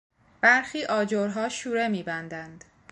برخی آجرها شوره میبندند.